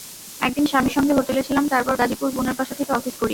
একদিন স্বামীর সঙ্গে হোটেলে ছিলাম, তারপর গাজীপুর বোনের বাসা থেকে অফিস করি।